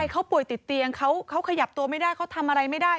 เขาป่วยติดเตียงเขาขยับตัวไม่ได้เขาทำอะไรไม่ได้